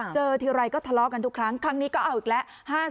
ทีไรก็ทะเลาะกันทุกครั้งครั้งนี้ก็เอาอีกแล้ว